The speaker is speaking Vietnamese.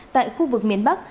tại khu vực miền bắc